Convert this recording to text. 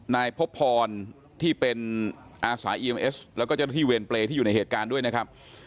นายพบพรที่เป็นอาสาอีมเอสแล้วก็เจ้าหน้าที่เวรเปรย์ที่อยู่ในเหตุการณ์ด้วยนะครับ